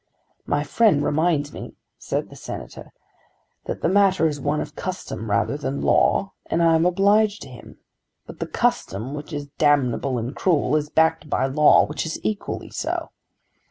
"My friend reminds me," said the Senator, "that the matter is one of custom rather than law; and I am obliged to him. But the custom which is damnable and cruel, is backed by law which is equally so.